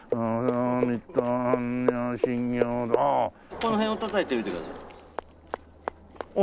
この辺をたたいてみてください。